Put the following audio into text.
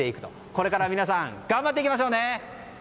これから、皆さん頑張っていきましょうね！